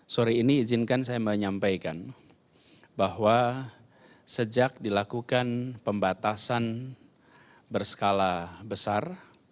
sore ini izinkan saya menyampaikan bahwa sejak dilakukan pembatasan berskala besar